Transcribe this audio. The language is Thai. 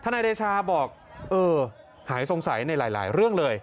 นายเดชาบอกเออหายสงสัยในหลายเรื่องเลย